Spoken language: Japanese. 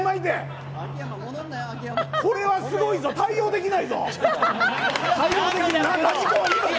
これはすごいぞ対応できないぞ。